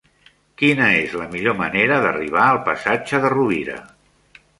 Quina és la millor manera d'arribar al passatge de Rovira?